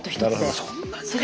そんなに？